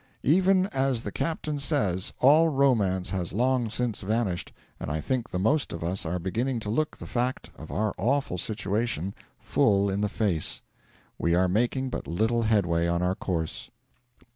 'Even as the captain says, all romance has long since vanished, and I think the most of us are beginning to look the fact of our awful situation full in the face.' 'We are making but little headway on our course.'